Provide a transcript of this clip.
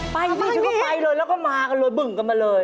ไปพี่ฉันก็ไปเลยแล้วก็มากันเลย